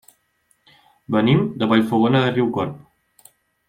Venim de Vallfogona de Riucorb.